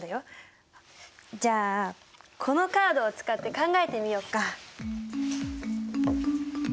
じゃあこのカードを使って考えてみよっか！